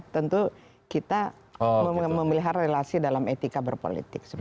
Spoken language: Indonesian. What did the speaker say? tentu kita memelihara relasi dalam etika berpolitik